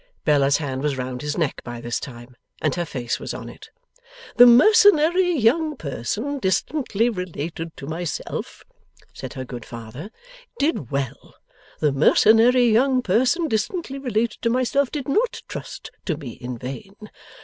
Bella's hand was round his neck by this time, and her face was on it. 'The mercenary young person distantly related to myself,' said her good father, 'did well! The mercenary young person distantly related to myself, did not trust to me in vain!